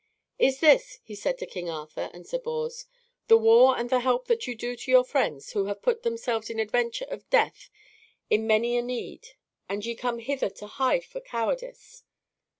"Is this," he said to King Arthur and Sir Bors, "the war and the help that you do to your friends who have put themselves in adventure of death in many a need, and ye come hither to hide for cowardice."